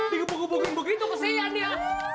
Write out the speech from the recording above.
tiga buku bukuin begitu kesiyan ya